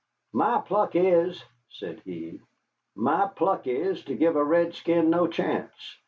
"My pluck is," said he, "my pluck is to give a redskin no chance.